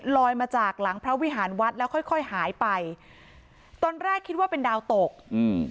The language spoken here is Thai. มาจากหลังพระวิหารวัดแล้วค่อยค่อยหายไปตอนแรกคิดว่าเป็นดาวตกอืม